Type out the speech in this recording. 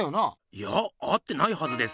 いや会ってないはずです。